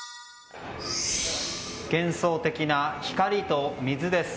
幻想的な光と水です。